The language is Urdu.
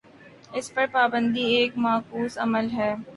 اس پر پابندی ایک معکوس عمل ہے۔